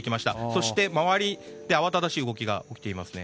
そして、周りで慌ただしい動きが起きていますね。